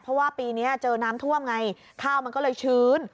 เพราะว่าปีนี้เจอน้ำท่วมไงข้าวมันก็เลยชื้น